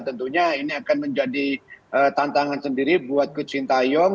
tentunya ini akan menjadi tantangan sendiri buat coach sintayong